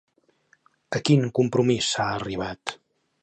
A quin compromís s'ha arribat?